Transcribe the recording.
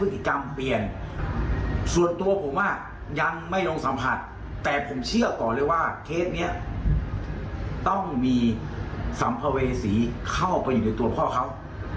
เดี๋ยวพรุ่งนี้ผมจะไปพิสูจน์ไปสัมผัสว่า